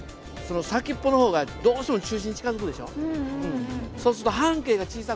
先っぽの方がどうしても中心に近づくでしょ。